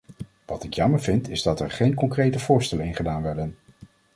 Wat ik jammer vind is dat er geen concrete voorstellen in gedaan werden.